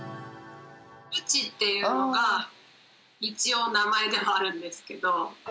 ぶちっていうのが、一応、名前ではあるんですけど。